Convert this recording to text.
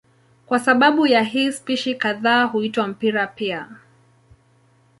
Kwa sababu ya hii spishi kadhaa huitwa mpira pia.